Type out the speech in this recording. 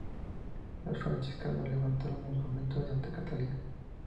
Los franciscanos levantaron el convento de Santa Catalina.